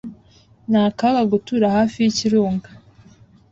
Ni akaga gutura hafi yikirunga.